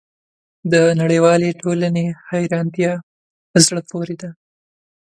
د نړیوالې ټولنې حیرانتیا په زړه پورې ده.